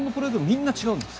みんな違うんですか